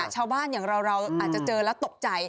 อย่างเราอาจจะเจอแล้วตกใจ